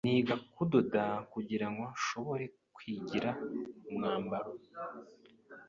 Niga kudoda kugirango nshobore kwigira umwambaro.